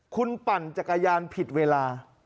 คุณปั่นจักรยานผิดเวลา